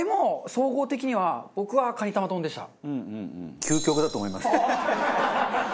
総合的には僕はカニ玉丼でした。